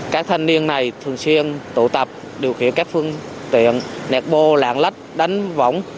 các thanh niên này thường xuyên tụ tập điều khiển các phương tiện nẹt bô lạng lách đánh võng